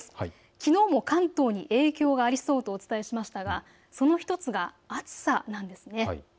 きのうも関東に影響がありそうとお伝えしましたがその１つが暑さなんです。